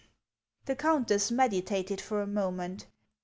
The countess meditated for a moment.